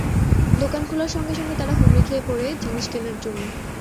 দোকান খোলার সঙ্গে সঙ্গে তারা হুমড়ি খেয়ে পড়ে জিনিস কেনার জন্য।